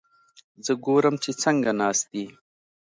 زه ګورم چې څنګه ناست دي؟